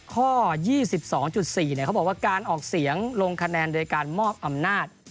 ข้อ๒๒๔เขาบอกว่าการออกเสียงลงคะแนนโดยการมอบอำนาจ